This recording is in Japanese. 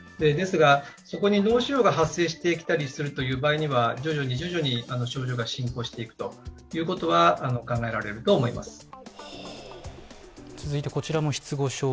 ですが、そこに脳腫瘍が発生してきたりするという場合には徐々に症状が進行していくということは考えられると思います。